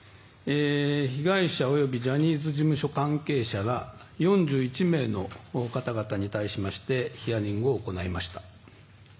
被害者及びジャニーズ事務所関係者ら４１名の方々に対しましてヒアリングを行いました。